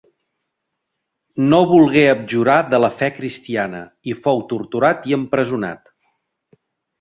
No volgué abjurar de la fe cristiana i fou torturat i empresonat.